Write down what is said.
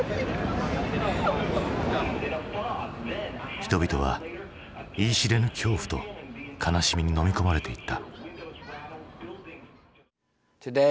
人々は言い知れぬ恐怖と悲しみにのみ込まれていった。